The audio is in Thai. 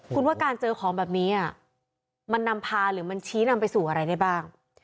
คุณว่าการเจอของแบบนี้มันนำพาหรือมันชี้นำไปสู่อะไรได้บ้าง